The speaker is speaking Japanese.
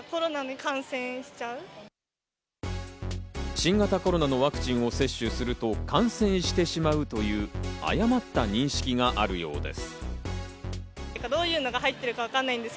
新型コロナのワクチンを接種すると感染してしまうという誤った認識があるようです。